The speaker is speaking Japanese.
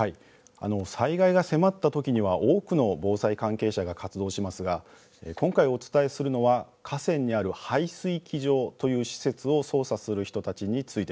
災害が迫った時には多くの防災関係者が活動しますが今回お伝えするのは河川にある排水機場という施設を操作する人たちについてです。